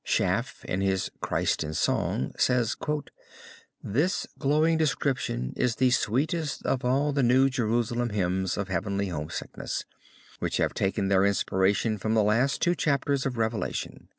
Schaff, in his Christ in Song says: "This glowing description is the sweetest of all the new Jerusalem Hymns of Heavenly Homesickness which have taken their inspiration from the last two chapters of Revelation."